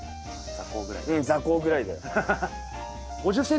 座高ぐらいだ。